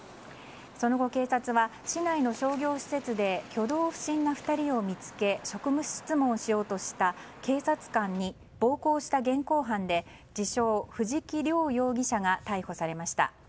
その後、警察は市内の商業施設で挙動不審な２人を見つけ、職務質問しようとした警察官に暴行した現行犯で自称、藤木涼容疑者が逮捕されました。